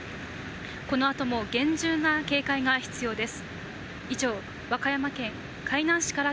このあとも厳重な警戒が必要です。